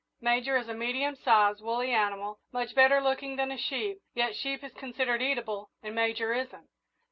Major is a medium sized, woolly animal, much better looking than a sheep, yet sheep is considered eatable and Major isn't.